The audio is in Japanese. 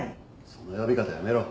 その呼び方やめろ。